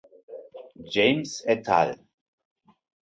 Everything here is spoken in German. James et al.